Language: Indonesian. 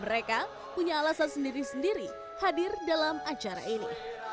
mereka punya alasan sendiri sendiri hadir dalam acara ini